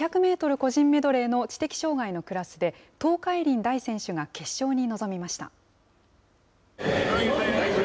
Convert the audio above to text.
個人メドレーの知的障害のクラスで、東海林大選手が決勝に臨みました。